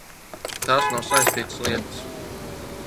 Tās nav saistītas lietas.